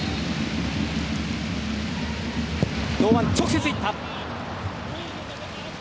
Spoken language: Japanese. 堂安、直接いった。